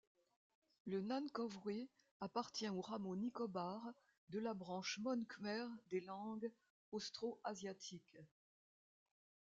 Le nancowry appartient au rameau nicobar de la branche môn-khmer des langues austroasiatiques.